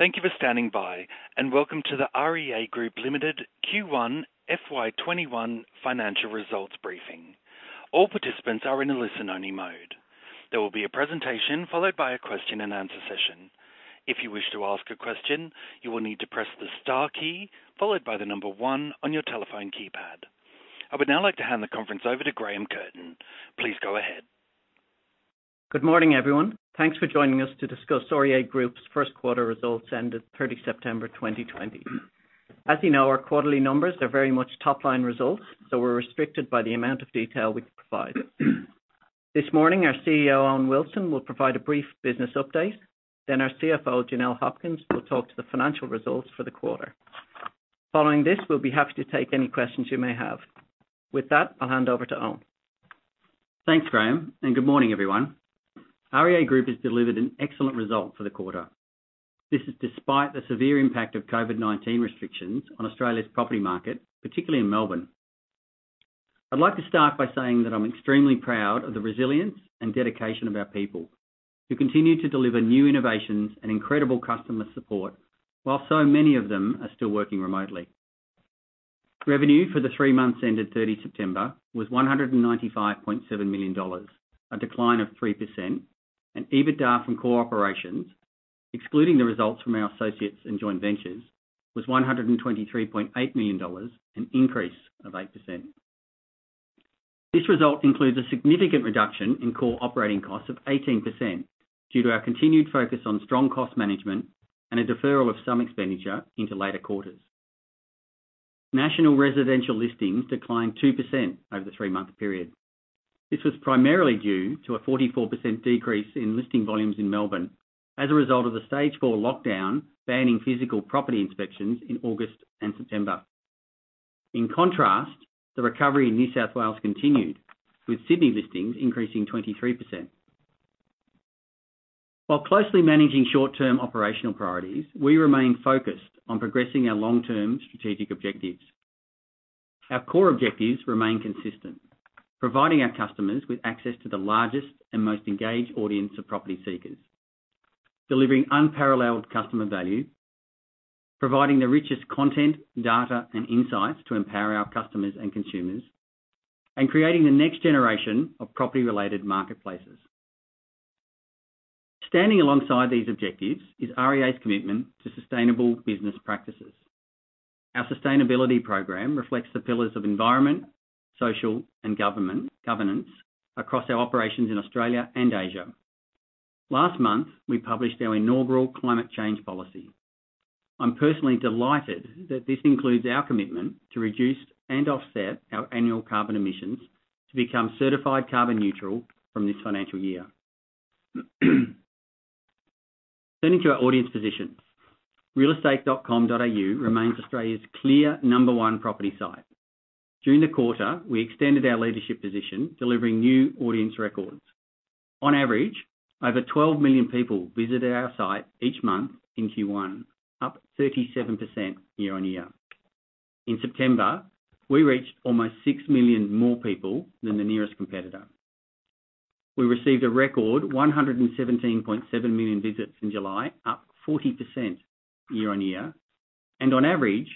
Thank you for standing by, and welcome to the REA Group Limited Q1 FY 2021 financial results briefing. All participants are in a listen-only mode. There will be a presentation followed by a question-and-answer session. If you wish to ask a question, you will need to press the star key followed by the number one on your telephone keypad. I would now like to hand the conference over to Graham Curtin. Please go ahead. Good morning, everyone. Thanks for joining us to discuss REA Group's first quarter results ended 30 September 2020. As you know, our quarterly numbers are very much top-line results, so we're restricted by the amount of detail we provide. This morning, our CEO, Owen Wilson, will provide a brief business update. Then our CFO, Janelle Hopkins, will talk to the financial results for the quarter. Following this, we'll be happy to take any questions you may have. With that, I'll hand over to Owen. Thanks, Graham, and good morning, everyone. REA Group has delivered an excellent result for the quarter. This is despite the severe impact of COVID-19 restrictions on Australia's property market, particularly in Melbourne. I'd like to start by saying that I'm extremely proud of the resilience and dedication of our people who continue to deliver new innovations and incredible customer support, while so many of them are still working remotely. Revenue for the three months ended 30 September was AUD 195.7 million, a decline of 3%, and EBITDA from core operations, excluding the results from our associates and joint ventures, was 123.8 million dollars, an increase of 8%. This result includes a significant reduction in core operating costs of 18% due to our continued focus on strong cost management and a deferral of some expenditure into later quarters. National residential listings declined 2% over the three-month period. This was primarily due to a 44% decrease in listing volumes in Melbourne as a result of the stage four lockdown banning physical property inspections in August and September. In contrast, the recovery in New South Wales continued, with Sydney listings increasing 23%. While closely managing short-term operational priorities, we remain focused on progressing our long-term strategic objectives. Our core objectives remain consistent: providing our customers with access to the largest and most engaged audience of property seekers, delivering unparalleled customer value, providing the richest content, data, and insights to empower our customers and consumers, and creating the next generation of property-related marketplaces. Standing alongside these objectives is REA's commitment to sustainable business practices. Our sustainability program reflects the pillars of environment, social, and governance across our operations in Australia and Asia. Last month, we published our inaugural climate change policy. I'm personally delighted that this includes our commitment to reduce and offset our annual carbon emissions to become certified carbon neutral from this financial year. Turning to our audience position, realestate.com.au remains Australia's clear number one property site. During the quarter, we extended our leadership position, delivering new audience records. On average, over 12 million people visited our site each month in Q1, up 37% year-on-year. In September, we reached almost 6 million more people than the nearest competitor. We received a record 117.7 million visits in July, up 40% year-on-year. On average,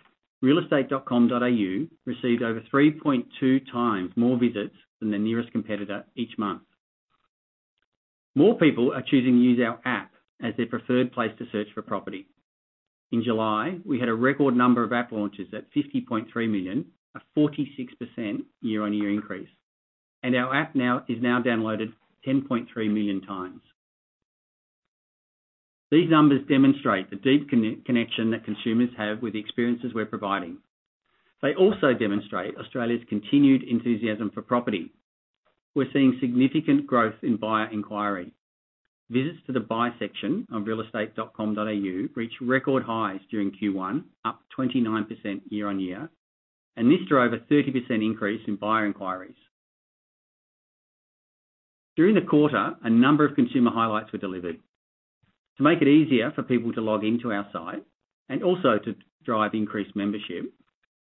realestate.com.au received over 3.2x more visits than the nearest competitor each month. More people are choosing to use our app as their preferred place to search for property. In July, we had a record number of app launches at 50.3 million, a 46% year-on-year increase, and our app now is downloaded 10.3 million times. These numbers demonstrate the deep connection that consumers have with the experiences we're providing. They also demonstrate Australia's continued enthusiasm for property. We're seeing significant growth in buyer inquiry. Visits to the buy section on realestate.com.au reached record highs during Q1, up 29% year-on-year, and this drove a 30% increase in buyer inquiries. During the quarter, a number of consumer highlights were delivered. To make it easier for people to log into our site and also to drive increased membership,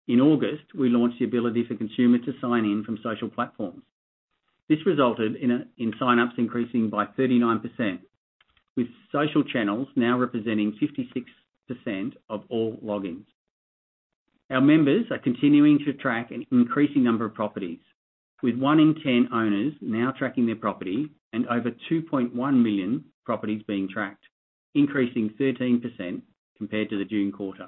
in August, we launched the ability for consumers to sign in from social platforms. This resulted in sign-ups increasing by 39%, with social channels now representing 56% of all logins. Our members are continuing to track an increasing number of properties, with one in ten owners now tracking their property and over 2.1 million properties being tracked, increasing 13% compared to the June quarter.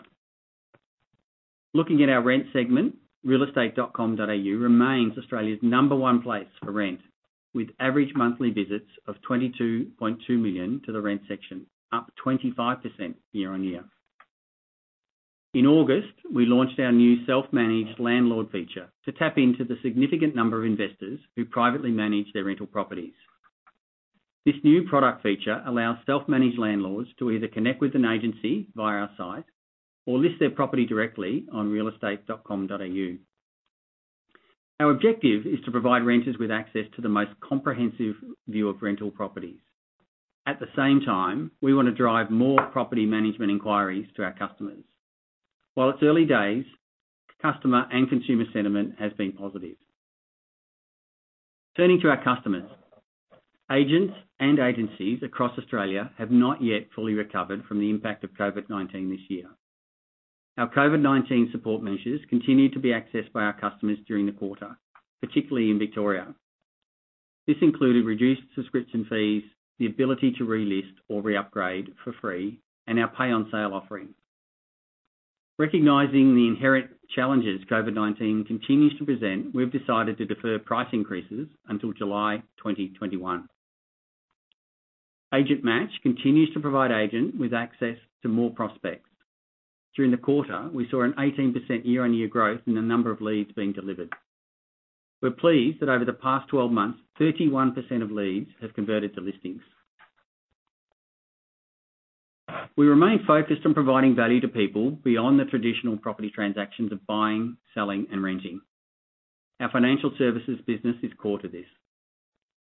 Looking at our rent segment, realestate.com.au remains Australia's number one place for rent, with average monthly visits of 22.2 million to the rent section, up 25% year-on-year. In August, we launched our new self-managed landlord feature to tap into the significant number of investors who privately manage their rental properties. This new product feature allows self-managed landlords to either connect with an agency via our site or list their property directly on realestate.com.au. Our objective is to provide renters with access to the most comprehensive view of rental properties. At the same time, we want to drive more property management inquiries to our customers. While it's early days, customer and consumer sentiment has been positive. Turning to our customers, agents and agencies across Australia have not yet fully recovered from the impact of COVID-19 this year. Our COVID-19 support measures continued to be accessed by our customers during the quarter, particularly in Victoria. This included reduced subscription fees, the ability to relist or re-upgrade for free, and our pay-on-sale offering. Recognizing the inherent challenges COVID-19 continues to present, we've decided to defer price increases until July 2021. AgentMatch continues to provide agents with access to more prospects. During the quarter, we saw an 18% year-on-year growth in the number of leads being delivered. We're pleased that over the past 12 months, 31% of leads have converted to listings. We remain focused on providing value to people beyond the traditional property transactions of buying, selling, and renting. Our financial services business is core to this.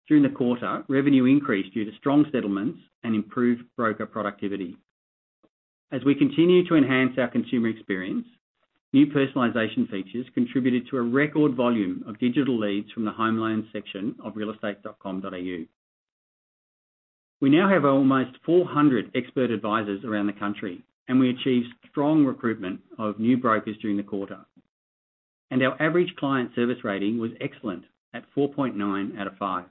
During the quarter, revenue increased due to strong settlements and improved broker productivity. As we continue to enhance our consumer experience, new personalization features contributed to a record volume of digital leads from the home loans section of realestate.com.au. We now have almost 400 expert advisors around the country, and we achieved strong recruitment of new brokers during the quarter. Our average client service rating was excellent at 4.9 out of 5.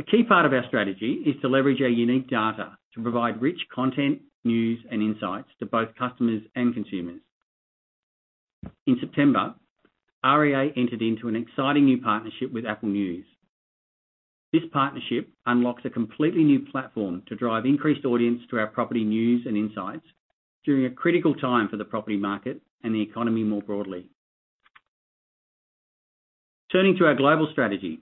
A key part of our strategy is to leverage our unique data to provide rich content, news, and insights to both customers and consumers. In September, REA entered into an exciting new partnership with Apple News. This partnership unlocks a completely new platform to drive increased audience to our property news and insights during a critical time for the property market and the economy more broadly. Turning to our global strategy,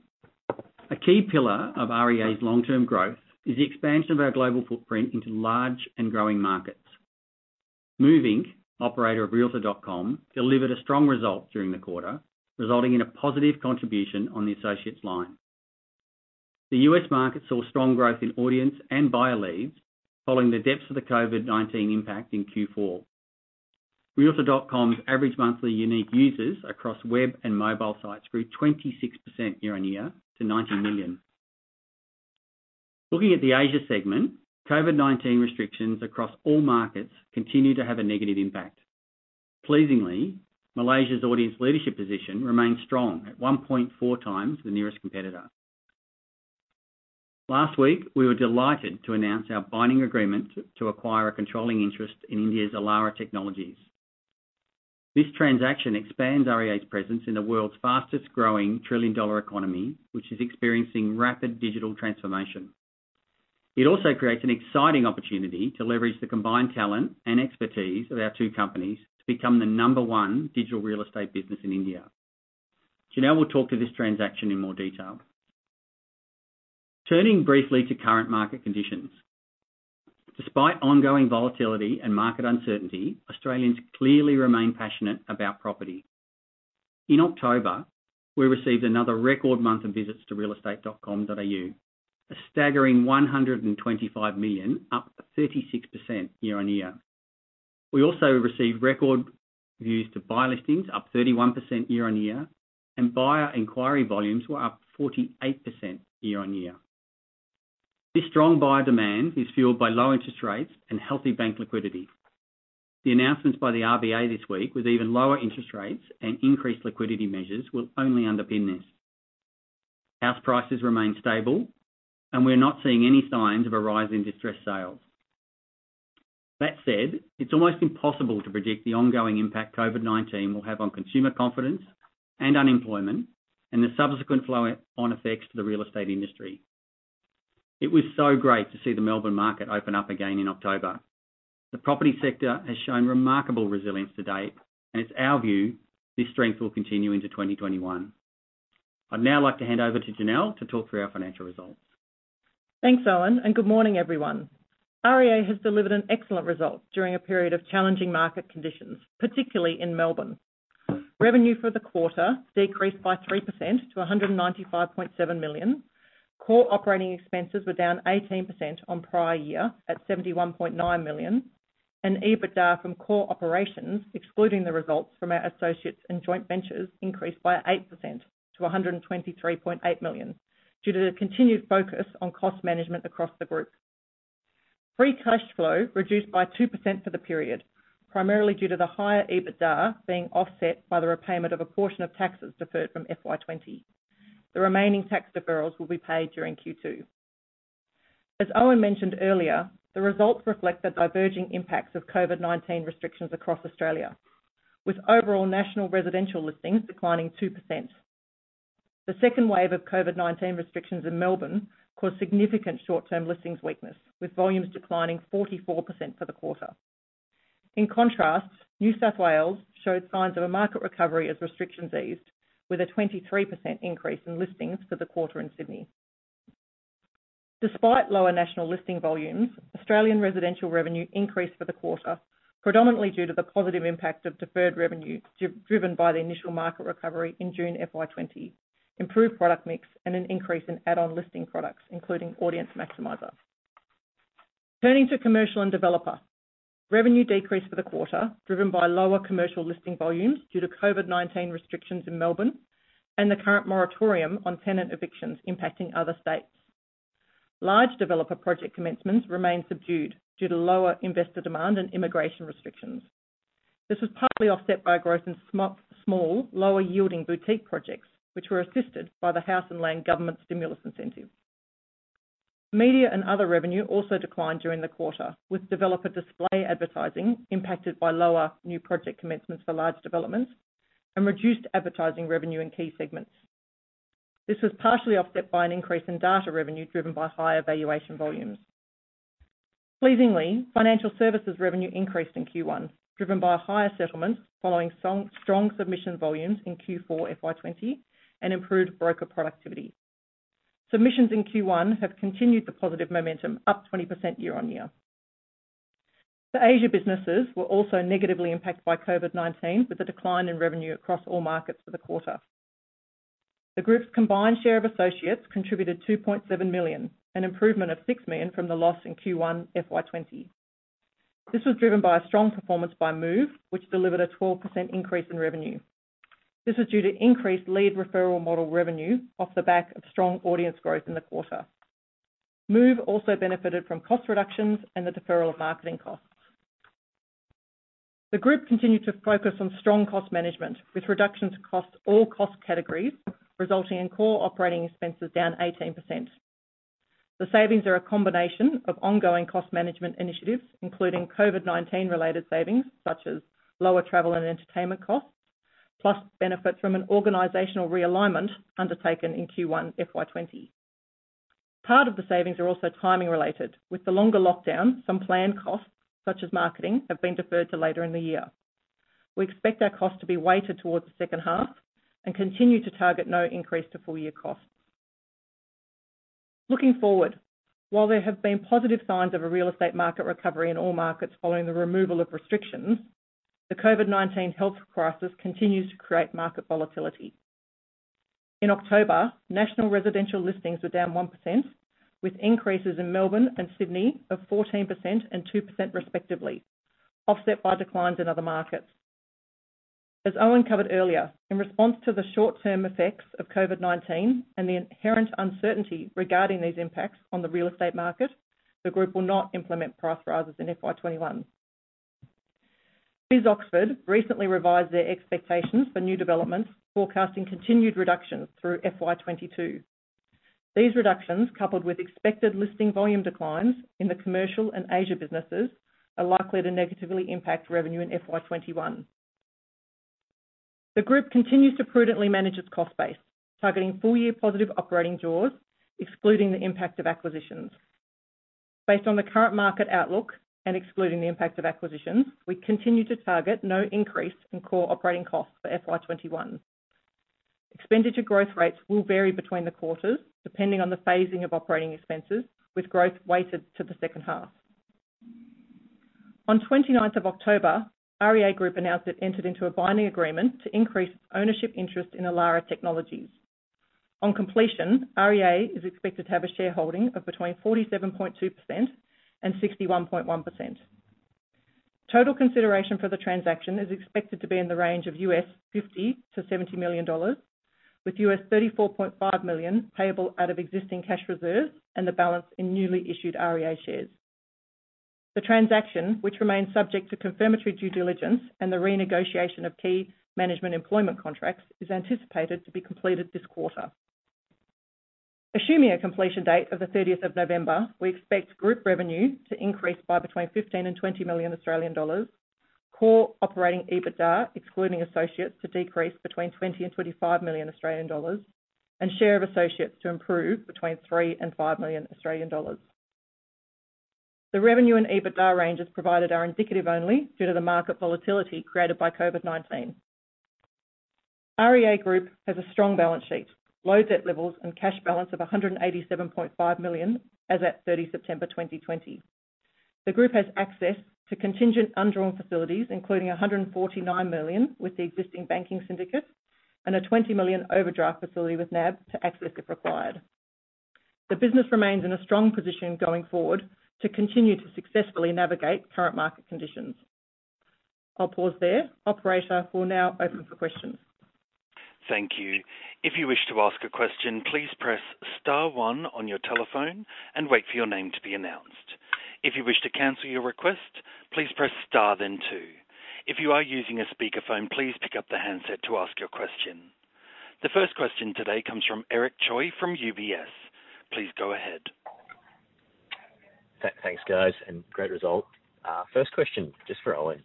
a key pillar of REA's long-term growth is the expansion of our global footprint into large and growing markets. Move Inc, operator of realtor.com, delivered a strong result during the quarter, resulting in a positive contribution on the associates line. The U.S. market saw strong growth in audience and buyer leads following the depth of the COVID-19 impact in Q4. Realtor.com's average monthly unique users across web and mobile sites grew 26% year-on-year to 90 million. Looking at the Asia segment, COVID-19 restrictions across all markets continue to have a negative impact. Pleasingly, Malaysia's audience leadership position remains strong at 1.4x the nearest competitor. Last week, we were delighted to announce our binding agreement to acquire a controlling interest in India's Elara Technologies. This transaction expands REA's presence in the world's fastest-growing trillion-dollar economy, which is experiencing rapid digital transformation. It also creates an exciting opportunity to leverage the combined talent and expertise of our two companies to become the number one digital real estate business in India. Janelle will talk to this transaction in more detail. Turning briefly to current market conditions, despite ongoing volatility and market uncertainty, Australians clearly remain passionate about property. In October, we received another record month of visits to realestate.com.au, a staggering 125 million, up 36% year-on-year. We also received record views to buy listings, up 31% year-on-year, and buyer inquiry volumes were up 48% year-on-year. This strong buyer demand is fueled by low interest rates and healthy bank liquidity. The announcements by the RBA this week, with even lower interest rates and increased liquidity measures, will only underpin this. House prices remain stable, and we're not seeing any signs of a rise in distressed sales. That said, it's almost impossible to predict the ongoing impact COVID-19 will have on consumer confidence and unemployment and the subsequent flow-on effects to the real estate industry. It was so great to see the Melbourne market open up again in October. The property sector has shown remarkable resilience to date, and it's our view this strength will continue into 2021. I'd now like to hand over to Janelle to talk through our financial results. Thanks, Owen, and good morning, everyone. REA has delivered an excellent result during a period of challenging market conditions, particularly in Melbourne. Revenue for the quarter decreased by 3% to 195.7 million. Core operating expenses were down 18% on prior year at 71.9 million, and EBITDA from core operations, excluding the results from our associates and joint ventures, increased by 8% to 123.8 million due to the continued focus on cost management across the group. Free cash flow reduced by 2% for the period, primarily due to the higher EBITDA being offset by the repayment of a portion of taxes deferred from FY 2020. The remaining tax deferrals will be paid during Q2. As Owen mentioned earlier, the results reflect the diverging impacts of COVID-19 restrictions across Australia, with overall national residential listings declining 2%. The second wave of COVID-19 restrictions in Melbourne caused significant short-term listings weakness, with volumes declining 44% for the quarter. In contrast, New South Wales showed signs of a market recovery as restrictions eased, with a 23% increase in listings for the quarter in Sydney. Despite lower national listing volumes, Australian residential revenue increased for the quarter, predominantly due to the positive impact of deferred revenue driven by the initial market recovery in June FY 2020, improved product mix, and an increase in add-on listing products, including Audience Maximiser. Turning to commercial and developer, revenue decreased for the quarter driven by lower commercial listing volumes due to COVID-19 restrictions in Melbourne and the current moratorium on tenant evictions impacting other states. Large developer project commencements remained subdued due to lower investor demand and immigration restrictions. This was partly offset by growth in small, lower-yielding boutique projects, which were assisted by the House and Land Government Stimulus Incentive. Media and other revenue also declined during the quarter, with developer display advertising impacted by lower new project commencements for large developments and reduced advertising revenue in key segments. This was partially offset by an increase in data revenue driven by higher valuation volumes. Pleasingly, financial services revenue increased in Q1, driven by higher settlements following strong submission volumes in Q4 FY 2020 and improved broker productivity. Submissions in Q1 have continued the positive momentum, up 20% year-on-year. The Asia businesses were also negatively impacted by COVID-19, with a decline in revenue across all markets for the quarter. The group's combined share of associates contributed 2.7 million, an improvement of 6 million from the loss in Q1 FY 2020. This was driven by a strong performance by Move, which delivered a 12% increase in revenue. This was due to increased lead referral model revenue off the back of strong audience growth in the quarter. Move also benefited from cost reductions and the deferral of marketing costs. The group continued to focus on strong cost management, with reductions across all cost categories, resulting in core operating expenses down 18%. The savings are a combination of ongoing cost management initiatives, including COVID-19-related savings, such as lower travel and entertainment costs, plus benefits from an organizational realignment undertaken in Q1 FY 2020. Part of the savings are also timing-related, with the longer lockdown, some planned costs, such as marketing, have been deferred to later in the year. We expect our costs to be weighted towards the second half and continue to target no increase to full-year costs. Looking forward, while there have been positive signs of a real estate market recovery in all markets following the removal of restrictions, the COVID-19 health crisis continues to create market volatility. In October, national residential listings were down 1%, with increases in Melbourne and Sydney of 14% and 2% respectively, offset by declines in other markets. As Owen covered earlier, in response to the short-term effects of COVID-19 and the inherent uncertainty regarding these impacts on the real estate market, the group will not implement price rises in FY 2021. BIS Oxford recently revised their expectations for new developments, forecasting continued reductions through FY 2022. These reductions, coupled with expected listing volume declines in the commercial and Asia businesses, are likely to negatively impact revenue in FY 2021. The group continues to prudently manage its cost base, targeting full-year positive operating draws, excluding the impact of acquisitions. Based on the current market outlook and excluding the impact of acquisitions, we continue to target no increase in core operating costs for FY 2021. Expenditure growth rates will vary between the quarters, depending on the phasing of operating expenses, with growth weighted to the second half. On 29th October, REA Group announced it entered into a binding agreement to increase ownership interest in Elara Technologies. On completion, REA is expected to have a shareholding of between 47.2% and 61.1%. Total consideration for the transaction is expected to be in the range of $50 million-$70 million, with $34.5 million payable out of existing cash reserves and the balance in newly issued REA shares. The transaction, which remains subject to confirmatory due diligence and the renegotiation of key management employment contracts, is anticipated to be completed this quarter. Assuming a completion date of 30 November, we expect group revenue to increase by between 15 million and 20 million Australian dollars, core operating EBITDA, excluding associates, to decrease between 20 million and 25 million Australian dollars, and share of associates to improve between 3 million and 5 million Australian dollars. The revenue and EBITDA ranges provided are indicative only due to the market volatility created by COVID-19. REA Group has a strong balance sheet, low debt levels, and cash balance of 187.5 million as at 30 September 2020. The group has access to contingent undrawn facilities, including 149 million with the existing banking syndicate and a 20 million overdraft facility with NAB to access if required. The business remains in a strong position going forward to continue to successfully navigate current market conditions. I'll pause there. Operator will now open for questions. Thank you. If you wish to ask a question, please press star one on your telephone and wait for your name to be announced. If you wish to cancel your request, please press star then two. If you are using a speakerphone, please pick up the handset to ask your question. The first question today comes from Eric Choi from UBS. Please go ahead. Thanks, guys, and great result. First question, just for Owen,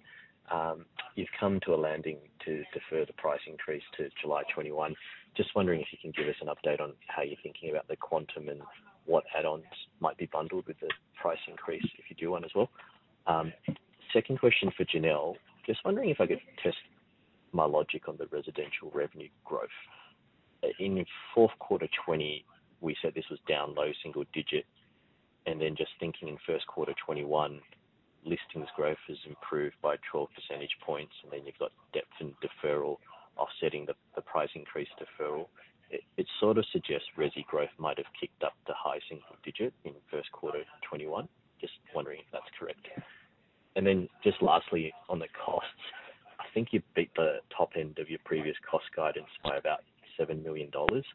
you've come to a landing to defer the price increase to July 2021. Just wondering if you can give us an update on how you're thinking about the quantum and what add-ons might be bundled with the price increase, if you do one as well. Second question for Janelle, just wondering if I could test my logic on the residential revenue growth. In fourth quarter 2020, we said this was down low-single-digit, and then just thinking in first quarter 2021, listings growth has improved by 12 percentage points, and then you've got depth and deferral offsetting the price increase deferral. It sort of suggests resi growth might have kicked up the high single-digit in first quarter 2021. Just wondering if that's correct. Just lastly, on the costs, I think you beat the top end of your previous cost guidance by about 7 million dollars.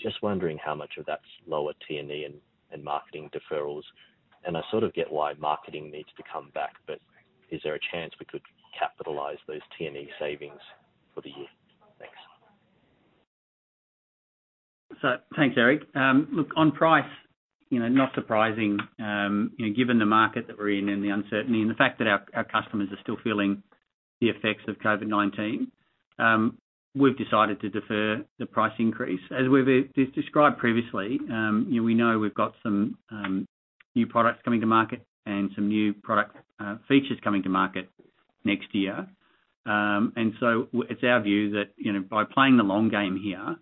Just wondering how much of that's lower T&E and marketing deferrals, and I sort of get why marketing needs to come back, but is there a chance we could capitalize those T&E savings for the year? Thanks. Thanks, Eric. Look, on price, not surprising. Given the market that we're in and the uncertainty and the fact that our customers are still feeling the effects of COVID-19, we've decided to defer the price increase. As we've described previously, we know we've got some new products coming to market and some new product features coming to market next year. It's our view that by playing the long game here,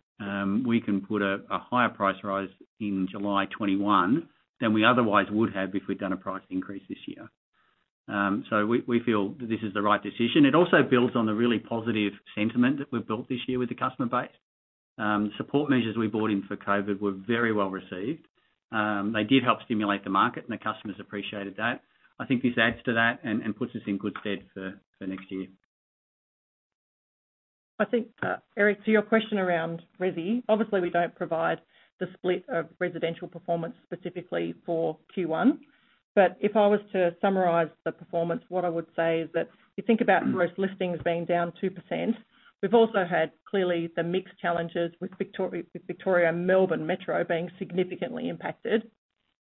we can put a higher price rise in July 2021 than we otherwise would have if we'd done a price increase this year. We feel that this is the right decision. It also builds on the really positive sentiment that we've built this year with the customer base. Support measures we brought in for COVID were very well received. They did help stimulate the market, and the customers appreciated that. I think this adds to that and puts us in good stead for next year. I think, Eric, to your question around resi, obviously we do not provide the split of residential performance specifically for Q1, but if I was to summarize the performance, what I would say is that you think about gross listings being down 2%. We have also had clearly the mixed challenges with Victoria and Melbourne Metro being significantly impacted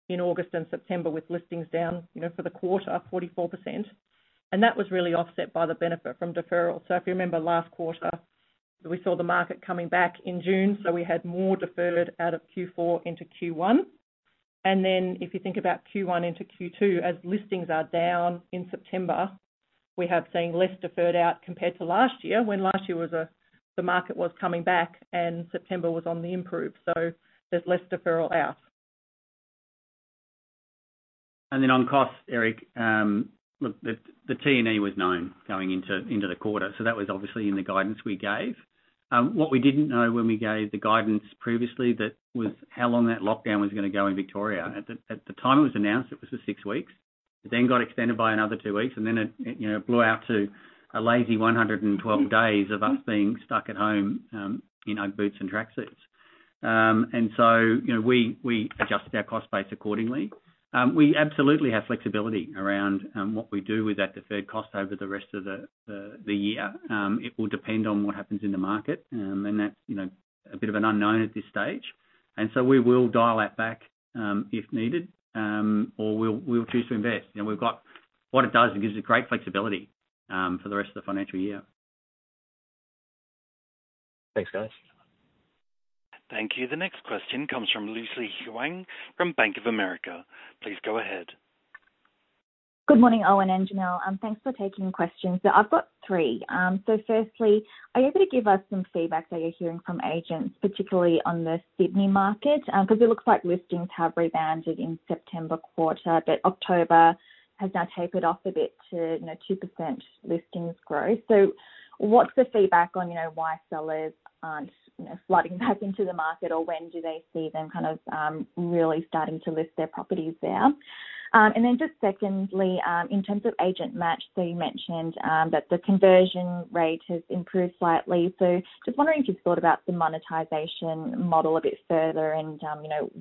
in August and September with listings down for the quarter, 44%. That was really offset by the benefit from deferral. If you remember last quarter, we saw the market coming back in June, so we had more deferred out of Q4 into Q1. If you think about Q1 into Q2, as listings are down in September, we have seen less deferred out compared to last year when last year the market was coming back and September was on the improve. There is less deferral out. On costs, Eric, look, the T&E was known going into the quarter, so that was obviously in the guidance we gave. What we did not know when we gave the guidance previously was how long that lockdown was going to go in Victoria. At the time it was announced, it was for 6 weeks. It then got extended by another 2 weeks, and then it blew out to a lazy 112 days of us being stuck at home in UGG boots and tracksuits. We adjusted our cost base accordingly. We absolutely have flexibility around what we do with that deferred cost over the rest of the year. It will depend on what happens in the market, and that is a bit of an unknown at this stage. We will dial that back if needed, or we will choose to invest. We've got what it does and gives us great flexibility for the rest of the financial year. Thanks, guys. Thank you. The next question comes from Lucy Huang from Bank of America. Please go ahead. Good morning, Owen and Janelle. Thanks for taking questions. I've got three. Firstly, are you able to give us some feedback that you're hearing from agents, particularly on the Sydney market? It looks like listings have rebounded in the September quarter, but October has now tapered off a bit to 2% listings growth. What's the feedback on why sellers aren't sliding back into the market, or when do they see them kind of really starting to list their properties there? Secondly, in terms of AgentMatch, you mentioned that the conversion rate has improved slightly. I'm just wondering if you've thought about the monetization model a bit further and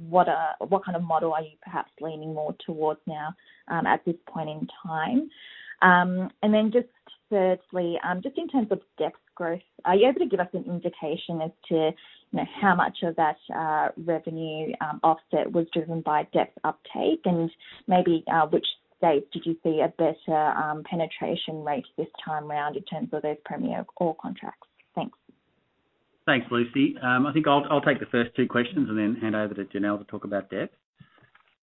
what kind of model you are perhaps leaning more towards now at this point in time? Just thirdly, just in terms of depth growth, are you able to give us an indication as to how much of that revenue offset was driven by depth uptake? And maybe which states did you see a better penetration rate this time around in terms of those premier core contracts? Thanks. Thanks, Lucy. I think I'll take the first two questions and then hand over to Janelle to talk about depth.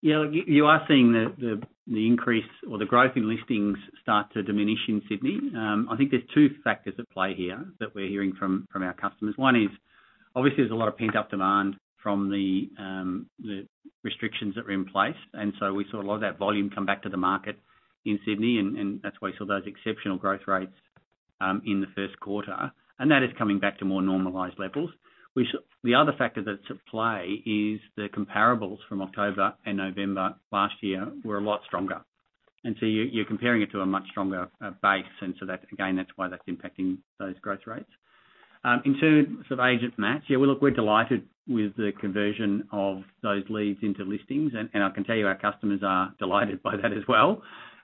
You are seeing the increase or the growth in listings start to diminish in Sydney. I think there's two factors at play here that we're hearing from our customers. One is, obviously, there's a lot of pent-up demand from the restrictions that were in place, and so we saw a lot of that volume come back to the market in Sydney, and that's why we saw those exceptional growth rates in the first quarter. That is coming back to more normalized levels. The other factor that's at play is the comparables from October and November last year were a lot stronger. You are comparing it to a much stronger base, and so again, that's why that's impacting those growth rates. In terms of AgentMatch, yeah, we're delighted with the conversion of those leads into listings, and I can tell you our customers are delighted by that as well.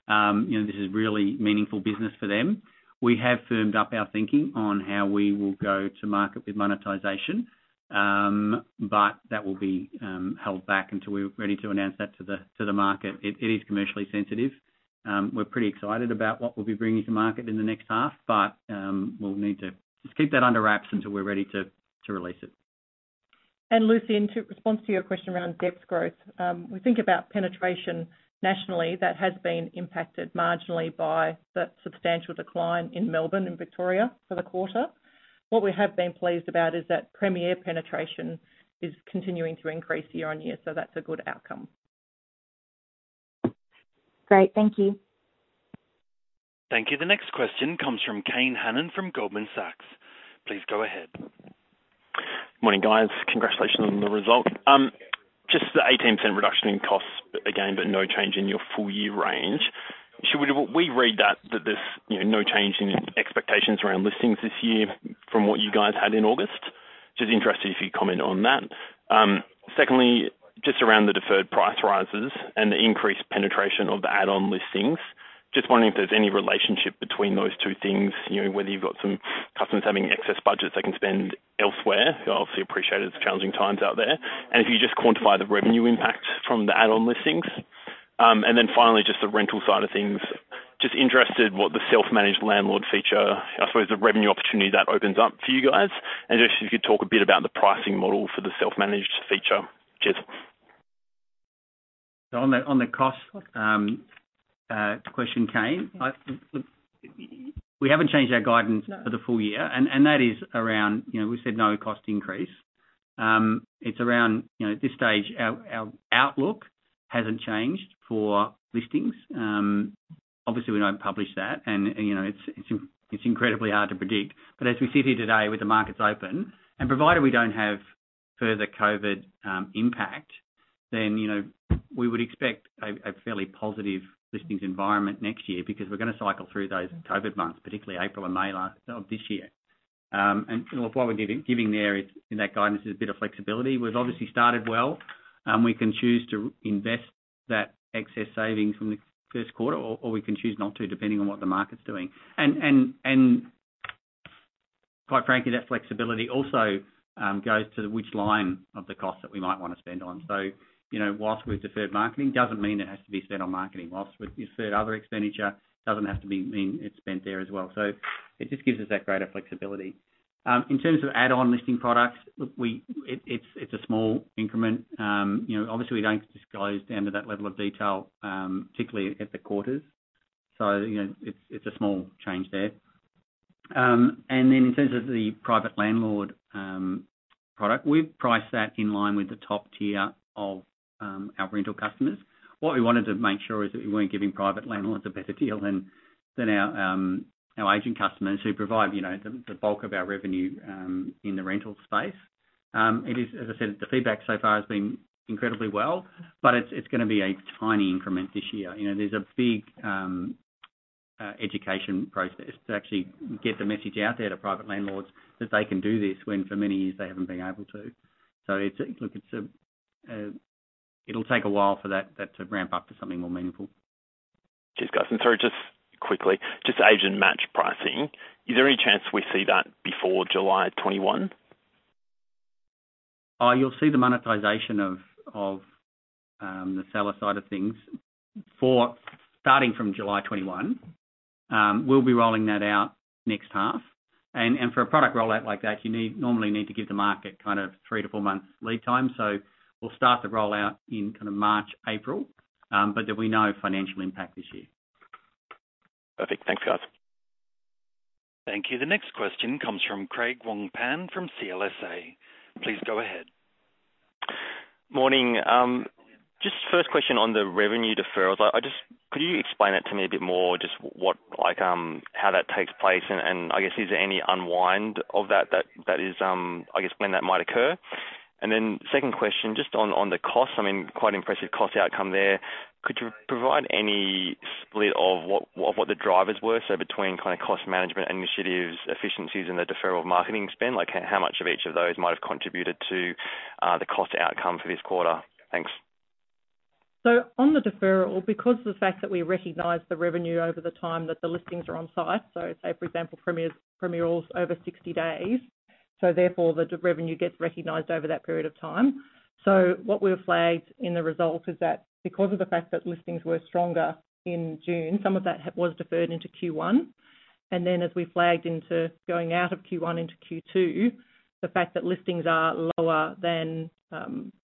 This is really meaningful business for them. We have firmed up our thinking on how we will go to market with monetization, but that will be held back until we're ready to announce that to the market. It is commercially sensitive. We're pretty excited about what we'll be bringing to market in the next half, but we'll need to just keep that under wraps until we're ready to release it. Lucy, in response to your question around depth growth, we think about penetration nationally that has been impacted marginally by the substantial decline in Melbourne and Victoria for the quarter. What we have been pleased about is that premier penetration is continuing to increase year-on-year, so that's a good outcome. Great. Thank you. Thank you. The next question comes from Kane Hannan from Goldman Sachs. Please go ahead. Morning, guys. Congratulations on the result. Just the 18% reduction in costs again, but no change in your full year range. We read that there's no change in expectations around listings this year from what you guys had in August. Just interested if you comment on that. Secondly, just around the deferred price rises and the increased penetration of the add-on listings, just wondering if there's any relationship between those two things, whether you've got some customers having excess budgets they can spend elsewhere. Obviously, appreciated it's challenging times out there. If you just quantify the revenue impact from the add-on listings. Finally, just the rental side of things. Just interested what the self-managed landlord feature, I suppose the revenue opportunity that opens up for you guys. If you could talk a bit about the pricing model for the self-managed feature. Cheers. On the cost question, Kane, look, we haven't changed our guidance for the full year, and that is around we said no cost increase. It's around at this stage, our outlook hasn't changed for listings. Obviously, we don't publish that, and it's incredibly hard to predict. As we sit here today with the markets open, and provided we don't have further COVID-19 impact, we would expect a fairly positive listings environment next year because we're going to cycle through those COVID-19 months, particularly April and May of this year. What we're giving there in that guidance is a bit of flexibility. We've obviously started well. We can choose to invest that excess savings from the first quarter, or we can choose not to, depending on what the market's doing. Quite frankly, that flexibility also goes to which line of the cost that we might want to spend on. Whilst we've deferred marketing, it doesn't mean it has to be spent on marketing. Whilst we've deferred other expenditure, it doesn't have to mean it's spent there as well. It just gives us that greater flexibility. In terms of add-on listing products, look, it's a small increment. Obviously, we don't disclose down to that level of detail, particularly at the quarters. It's a small change there. In terms of the private landlord product, we've priced that in line with the top tier of our rental customers. What we wanted to make sure is that we weren't giving private landlords a better deal than our agent customers who provide the bulk of our revenue in the rental space. As I said, the feedback so far has been incredibly well, but it's going to be a tiny increment this year. There is a big education process to actually get the message out there to private landlords that they can do this when for many years they haven't been able to. It will take a while for that to ramp up to something more meaningful. Cheers, guys. Sorry, just quickly, just AgentMatch pricing. Is there any chance we see that before July 21? You'll see the monetization of the seller side of things starting from July 2021. We'll be rolling that out next half. For a product rollout like that, you normally need to give the market kind of 3-4 months lead time. We'll start the rollout in kind of March, April, but that we know financial impact this year. Perfect. Thanks, guys. Thank you. The next question comes from Craig Wong-Pan from CLSA. Please go ahead. Morning. Just first question on the revenue deferrals. Could you explain that to me a bit more, just how that takes place? I guess, is there any unwind of that? That is, I guess, when that might occur? Second question, just on the cost, I mean, quite impressive cost outcome there. Could you provide any split of what the drivers were? So between kind of cost management initiatives, efficiencies, and the deferral of marketing spend, how much of each of those might have contributed to the cost outcome for this quarter? Thanks. On the deferral, because of the fact that we recognize the revenue over the time that the listings are on site, say, for example, premier rules over 60 days, therefore the revenue gets recognized over that period of time. What we've flagged in the result is that because of the fact that listings were stronger in June, some of that was deferred into Q1. As we flagged going out of Q1 into Q2, the fact that listings are lower than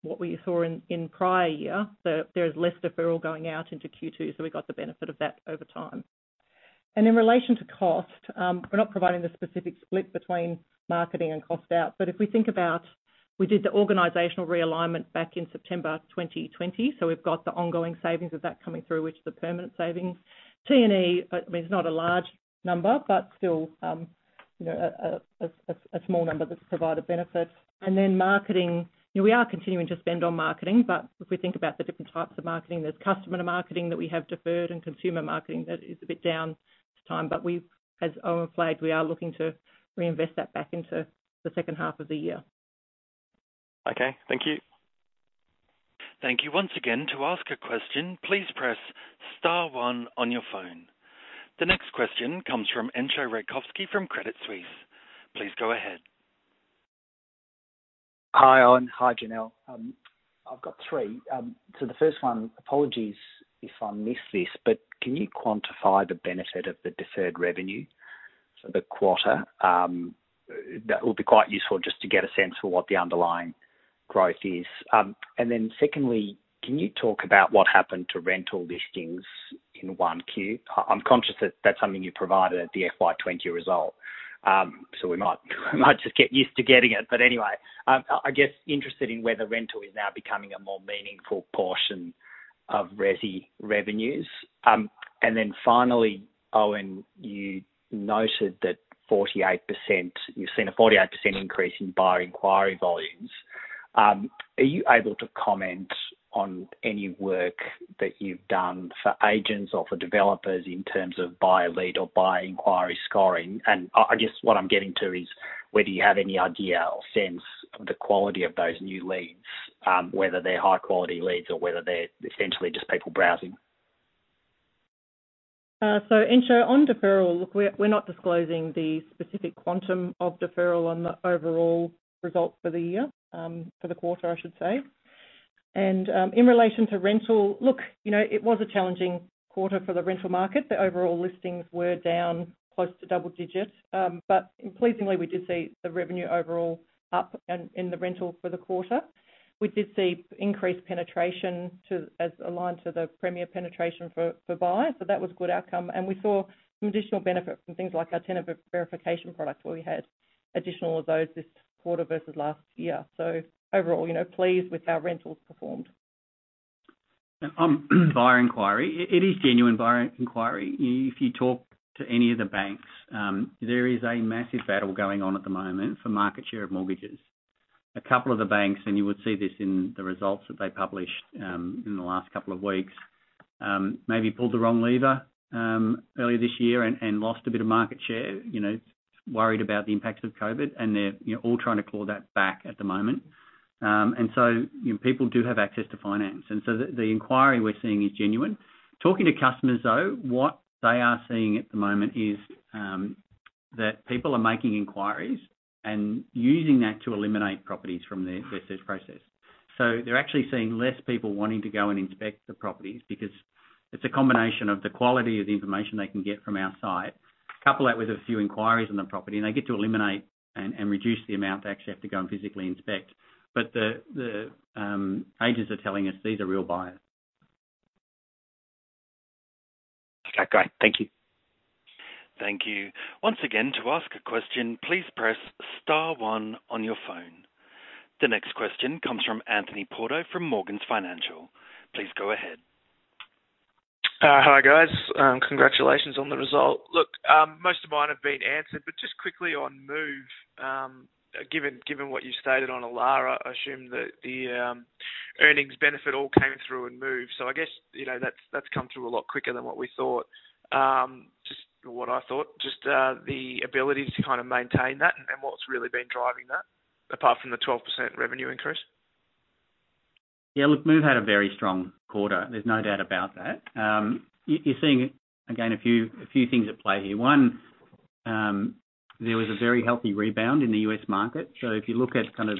what we saw in prior year, there is less deferral going out into Q2, so we got the benefit of that over time. In relation to cost, we're not providing the specific split between marketing and cost out. If we think about we did the organizational realignment back in September 2020, we have the ongoing savings of that coming through, which is the permanent savings. T&E, I mean, it's not a large number, but still a small number that's provided benefit. Marketing, we are continuing to spend on marketing, but if we think about the different types of marketing, there's customer marketing that we have deferred and consumer marketing that is a bit down to time, but as Owen flagged, we are looking to reinvest that back into the second half of the year. Okay. Thank you. Thank you once again. To ask a question, please press star one on your phone. The next question comes from Entcho Raykovski from Credit Suisse. Please go ahead. Hi, Owen. Hi, Janelle. I've got three. The first one, apologies if I missed this, but can you quantify the benefit of the deferred revenue for the quarter? That would be quite useful just to get a sense for what the underlying growth is. Secondly, can you talk about what happened to rental listings in Q1? I'm conscious that that's something you provided at the FY 2020 result, so we might just get used to getting it. I guess interested in whether rental is now becoming a more meaningful portion of resi revenues. Finally, Owen, you noted that 48%—you've seen a 48% increase in buyer inquiry volumes. Are you able to comment on any work that you've done for agents or for developers in terms of buyer lead or buyer inquiry scoring? I guess what I'm getting to is, whether you have any idea or sense of the quality of those new leads, whether they're high-quality leads or whether they're essentially just people browsing? Entcho, on deferral, look, we're not disclosing the specific quantum of deferral on the overall result for the year, for the quarter, I should say. In relation to rental, look, it was a challenging quarter for the rental market. The overall listings were down close to double digits, but pleasingly, we did see the revenue overall up in the rental for the quarter. We did see increased penetration as aligned to the premier penetration for buyers, so that was a good outcome. We saw some additional benefit from things like our tenant verification product, where we had additional of those this quarter versus last year. Overall, pleased with how rentals performed. Buyer inquiry. It is genuine buyer inquiry. If you talk to any of the banks, there is a massive battle going on at the moment for market share of mortgages. A couple of the banks, and you would see this in the results that they published in the last couple of weeks, maybe pulled the wrong lever earlier this year and lost a bit of market share, worried about the impacts of COVID-19, and they are all trying to claw that back at the moment. People do have access to finance. The inquiry we are seeing is genuine. Talking to customers, though, what they are seeing at the moment is that people are making inquiries and using that to eliminate properties from their search process. They're actually seeing less people wanting to go and inspect the properties because it's a combination of the quality of the information they can get from our site, couple that with a few inquiries on the property, and they get to eliminate and reduce the amount they actually have to go and physically inspect. The agents are telling us these are real buyers. Okay. Great. Thank you. Thank you. Once again, to ask a question, please press star one on your phone. The next question comes from Anthony Porto from Morgans Financial. Please go ahead. Hi, guys. Congratulations on the result. Look, most of mine have been answered, but just quickly on Move, given what you stated on Elara, I assume that the earnings benefit all came through in Move. I guess that has come through a lot quicker than what we thought, just what I thought, just the ability to kind of maintain that and what has really been driving that, apart from the 12% revenue increase. Yeah. Look, Move had a very strong quarter. There's no doubt about that. You're seeing, again, a few things at play here. One, there was a very healthy rebound in the U.S. market. If you look at kind of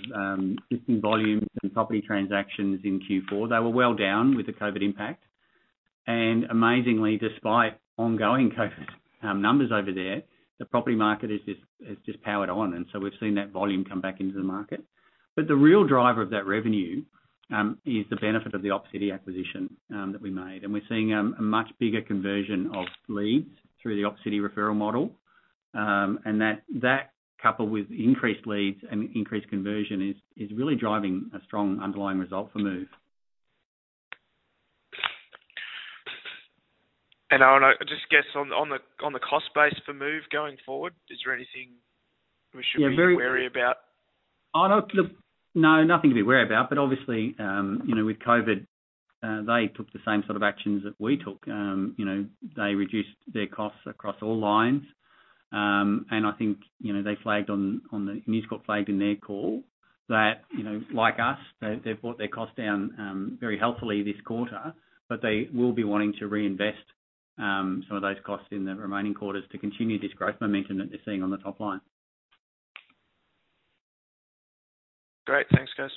listing volumes and property transactions in Q4, they were well down with the COVID-19 impact. Amazingly, despite ongoing COVID-19 numbers over there, the property market has just powered on. We have seen that volume come back into the market. The real driver of that revenue is the benefit of the Opcity acquisition that we made. We're seeing a much bigger conversion of leads through the Opcity referral model. That, coupled with increased leads and increased conversion, is really driving a strong underlying result for Move. I just guess on the cost base for Move going forward, is there anything we should be worried about? Oh, no. Look, no, nothing to be worried about. Obviously, with COVID-19, they took the same sort of actions that we took. They reduced their costs across all lines. I think they flagged in their call that, like us, they've brought their costs down very healthily this quarter. They will be wanting to reinvest some of those costs in the remaining quarters to continue this growth momentum that they're seeing on the top line. Great. Thanks, guys.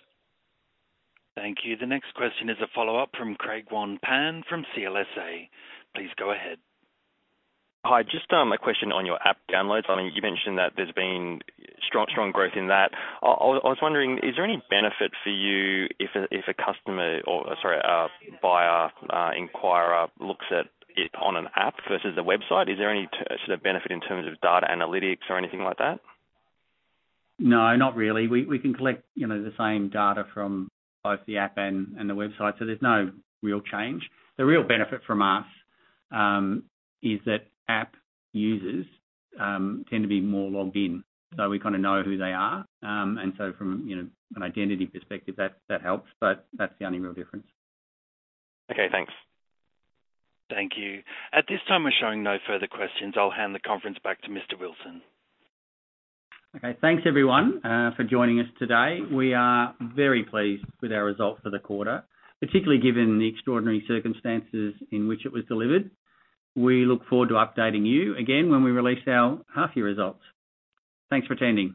Thank you. The next question is a follow-up from Craig Wong-Pan from CLSA. Please go ahead. Hi. Just a question on your app downloads. I mean, you mentioned that there's been strong growth in that. I was wondering, is there any benefit for you if a customer or, sorry, a buyer inquirer looks at it on an app versus a website? Is there any sort of benefit in terms of data analytics or anything like that? No, not really. We can collect the same data from both the app and the website, so there's no real change. The real benefit from us is that app users tend to be more logged in, so we kind of know who they are. And so from an identity perspective, that helps, but that's the only real difference. Okay. Thanks. Thank you. At this time, we're showing no further questions. I'll hand the conference back to Mr. Wilson. Okay. Thanks, everyone, for joining us today. We are very pleased with our results for the quarter, particularly given the extraordinary circumstances in which it was delivered. We look forward to updating you again when we release our half-year results. Thanks for attending.